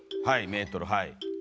はいメートルはい。